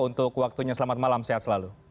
untuk waktunya selamat malam sehat selalu